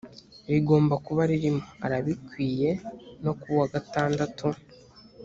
rigomba kuba ririmo arabikwiye no kuba uwa gatandatu